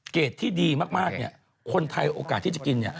เกรดที่ดีมากคนไทยโอกาสที่จะกินน่อย